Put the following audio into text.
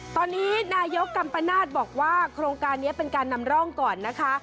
ตอนนี้นายกกัมปนาศบอกว่าโครงการนี้เป็นการนำร่องก่อนนะคะ